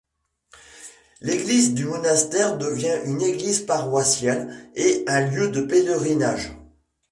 L'église du monastère devient une église paroissiale et un lieu de pèlerinage.